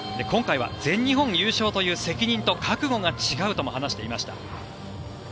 今回、全日本優勝という責任と覚悟が違うとも話していました。